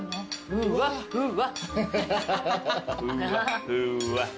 ふわふわ。